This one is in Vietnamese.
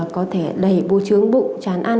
có thể đầy bô trướng bụng chán ăn